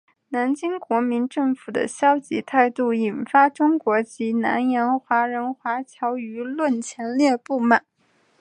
南京国民政府的消极态度引发中国及南洋华人华侨舆论强烈不满。